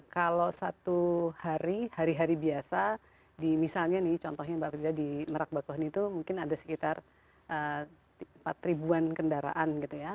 kalau satu hari hari hari biasa misalnya nih contohnya mbak pridya di merak bakohan itu mungkin ada sekitar empat an kendaraan gitu ya